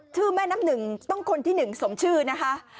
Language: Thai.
แม่น้ำหนึ่งต้องคนที่หนึ่งสมชื่อนะคะ